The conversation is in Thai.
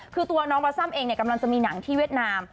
คือตัวน้องบอซัมเองกำลังจะมีหนังที่เวียดนาม